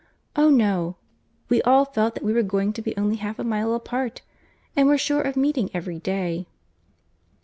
Oh no; we all felt that we were going to be only half a mile apart, and were sure of meeting every day."